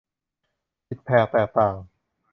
ผิดแผกแตกต่าง